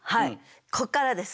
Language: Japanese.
こっからです